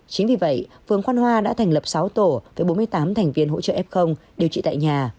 chính vì vậy phương khoan hoa đã thành lập sáu tổ với bốn mươi tám thành viên hỗ trợ f điều trị tại nhà